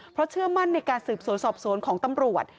เพราะเชื่อมั่นในการสืบสวนสอบสวนของตำรวจ